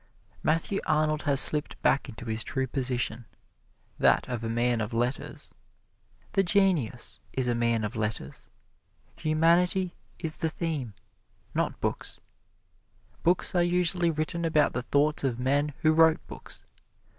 Matthew Arnold has slipped back into his true position that of a man of letters. The genius is a man of affairs. Humanity is the theme, not books. Books are usually written about the thoughts of men who wrote books.